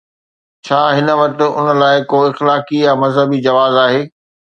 ڇا هن وٽ ان لاءِ ڪو اخلاقي يا مذهبي جواز آهي؟